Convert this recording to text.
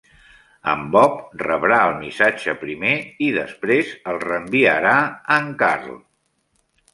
En Bob rebrà el missatge primer i després el reenviarà a en Carl.